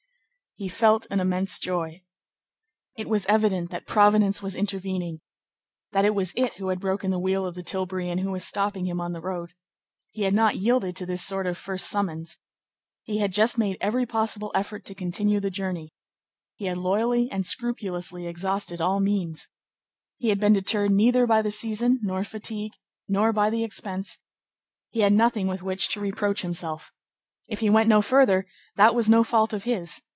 He felt an immense joy. It was evident that Providence was intervening. That it was it who had broken the wheel of the tilbury and who was stopping him on the road. He had not yielded to this sort of first summons; he had just made every possible effort to continue the journey; he had loyally and scrupulously exhausted all means; he had been deterred neither by the season, nor fatigue, nor by the expense; he had nothing with which to reproach himself. If he went no further, that was no fault of his.